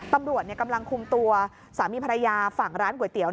ตำรวจกำลังคุมตัวสามีภรรยาฝั่งร้านก๋วยเตี๋ยว